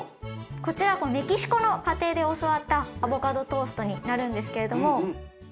こちらメキシコの家庭で教わったアボカドトーストになるんですけれども。